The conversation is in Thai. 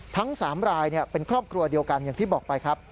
ทั้ง๓รายเป็นครอบครัวเดียวกันอย่างที่บอกไปครับ